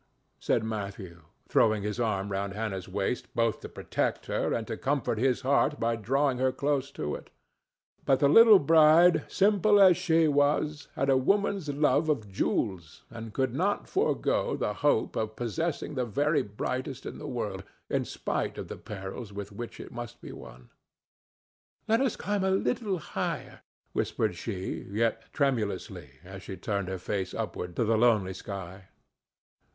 said Matthew, throwing his arm round Hannah's waist both to protect her and to comfort his heart by drawing her close to it. But the little bride, simple as she was, had a woman's love of jewels, and could not forego the hope of possessing the very brightest in the world, in spite of the perils with which it must be won. "Let us climb a little higher," whispered she, yet tremulously, as she turned her face upward to the lonely sky.